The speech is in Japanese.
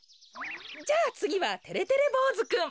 じゃあつぎはてれてれぼうずくん。